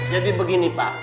jadi begini pak